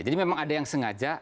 jadi memang ada yang sengaja